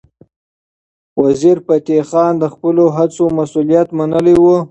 وزیرفتح خان د خپلو هڅو مسؤلیت منلی و.